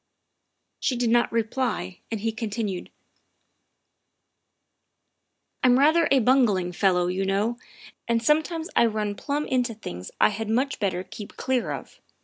'' She did not reply, and he continued : "I'm rather a bungling fellow, you know, and some times I run plump into things I had much better keep clear of.